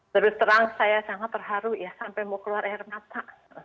terus terang saya sangat terharu ya sampai mau keluar air mata